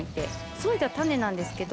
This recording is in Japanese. そいだ種なんですけど。